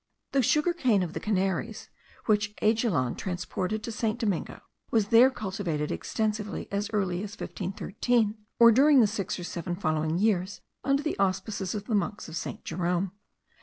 The sugar cane of the Canaries, which Aiguilon transported to St. Domingo, was there cultivated extensively as early as 1513, or during the six or seven following years, under the auspices of the monks of St. Jerome.